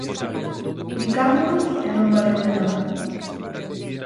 Bicámonos e non valeu de nada.